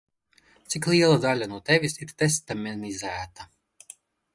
Cik liela daļa no tevis ir tesmenizēta?